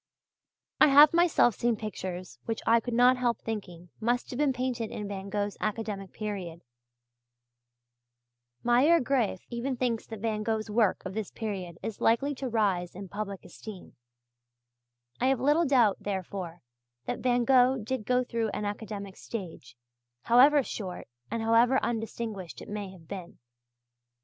I have myself seen pictures which I could not help thinking must have been painted in Van Gogh's academic period; Meier Graefe even thinks that Van Gogh's work of this period is likely to rise in public esteem; I have little doubt, therefore, that Van Gogh did go through an academic stage, however short or however undistinguished it may have been.